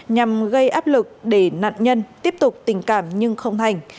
nhằm gây áp lực để nạn nhân tiếp tục tình cảm nhưng không hành